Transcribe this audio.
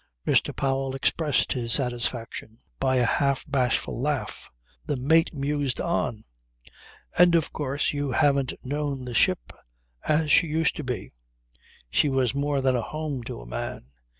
Mr. Powell expressed his satisfaction by a half bashful laugh. The mate mused on: 'And of course you haven't known the ship as she used to be. She was more than a home to a man.